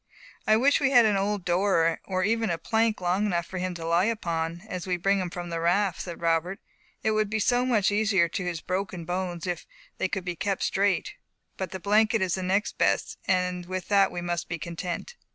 "I wish we had an old door, or even a plank long enough for him to lie upon, as we bring him from the raft," said Robert, "it would be so much easier to his broken bones, if they could be kept straight. But the blanket is next best, and with that we must be content."